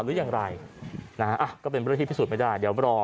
หรืออย่างไรนะฮะก็เป็นเรื่องที่พิสูจน์ไม่ได้เดี๋ยวรอ